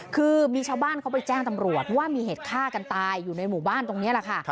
คือมีชาวบ้านเขาไปแจ้งตำรวจว่ามีเหตุฆ่ากันตายอยู่ในหมู่บ้านตรงนี้แหละค่ะ